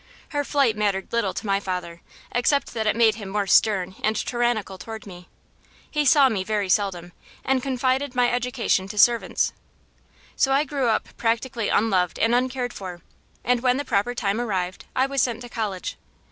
Her flight mattered little to my father, except that it made him more stern and tyrannical toward me. He saw me very seldom and confided my education to servants. So I grew up practically unloved and uncared for, and when the proper time arrived I was sent to college.